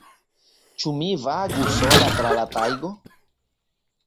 Ĉu mi vagu sola tra la tajgo?